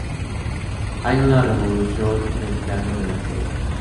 Hay una revolución en el plano de las ideas.